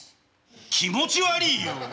気持ち悪いよ！